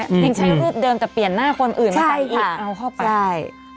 ยังใช้รูปเดิมแต่เปลี่ยนหน้าคนอื่นมาตั้งอีกเอาเข้าไปใช่